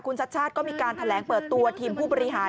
คุณชัดชาติก็มีการแถลงเปิดตัวทีมผู้บริหาร